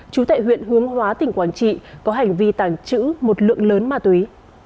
chú tại huyện hướng hóa tỉnh quảng trị có hành vi tàng trữ một lượng lớn ma túy